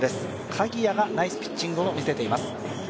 鍵谷がナイスピッチングを見せています。